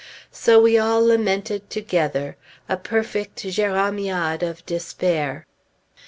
So we all lamented together, a perfect Jérémiade of despair.